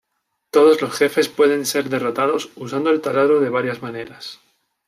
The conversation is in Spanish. Todos los jefes pueden ser derrotados usando el taladro de varias maneras.